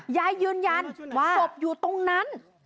ยายยืนยันว่าศพอยู่ตรงนั้น